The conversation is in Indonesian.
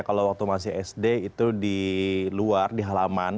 kalau waktu masih sd itu di luar di halaman